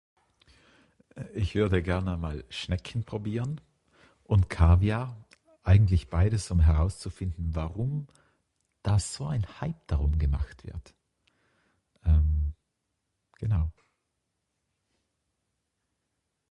Äh, ich würde gerne Mal Schnecken probieren und Kaviar. Eigentlich beides um herauszufinden, warum da so ein Hype darum gemacht wird. Ähm, genau.